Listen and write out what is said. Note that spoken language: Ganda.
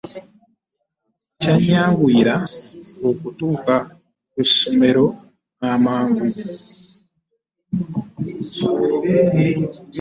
Kyannyanguyira okutuuka ku ssomero amangu.